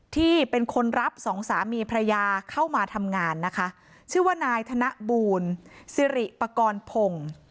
ที่เป็นคนรับสองสามีพระยาเข้ามาทำงานนะคะชื่อว่านายธนบูลสิริปกรณ์พงศ์